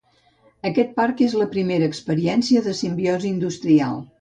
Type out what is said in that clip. Aquest parc és la primera experiència de simbiosi industrial.